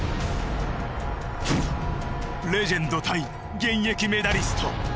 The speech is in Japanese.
レジェンド対現役メダリスト。